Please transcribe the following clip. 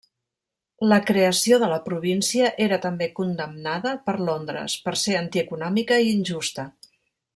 La creació de la província era també condemnada per Londres, per ser antieconòmica i injusta.